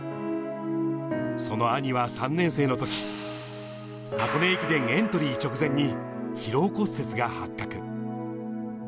その兄は３年生のとき、箱根駅伝エントリー直前に疲労骨折が発覚。